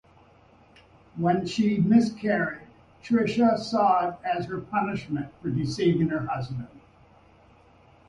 When she miscarried, Tricia saw it as her punishment for deceiving her husband.